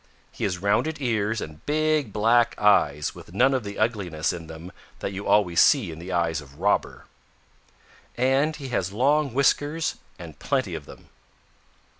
He has rounded ears and big black eyes with none of the ugliness in them that you always see in the eyes of Robber. And he has long whiskers and plenty of them."